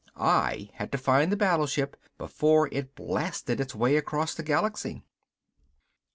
I had to find the battleship before it blasted its way across the galaxy.